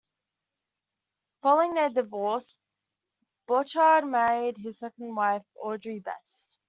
Following their divorce, Bouchard married his second wife, Audrey Best.